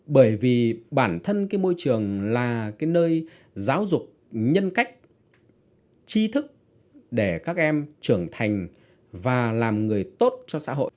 bởi vì bản thân cái môi trường là cái nơi giáo dục nhân cách chi thức để các em trưởng thành và làm người tốt cho xã hội